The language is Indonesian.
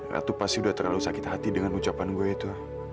ratu pasti udah terlalu sakit hati dengan ucapan gue itu